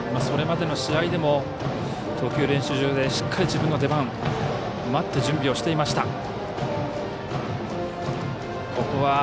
それまでの試合でも投球練習場でしっかり自分の出番待って準備をしていました。